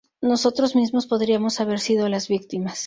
Nosotros mismos podríamos haber sido las víctimas.